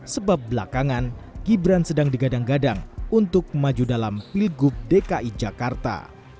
sebab belakangan gibran sedang digadang gadang untuk maju dalam pilgub dki jakarta